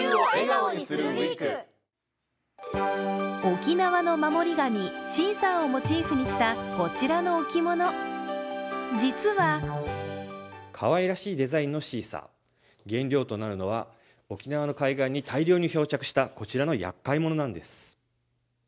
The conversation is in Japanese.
沖縄の守り神シーサーをモチーフにしたこちらの置物、実はかわいらしいデザインのシーサー、原料となるのは沖縄の海岸に大量に漂着した、こちらのやっかいものなんです。